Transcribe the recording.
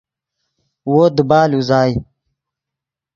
وو دیبال اوزائے